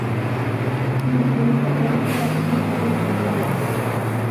Miten kasartab ki tugul eng' ng'wony.